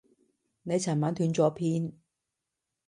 你尋晚斷咗片